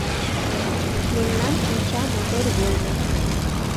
Мемнан шинча мотор велне.